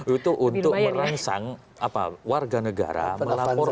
itu untuk merangsang warga negara melaporkan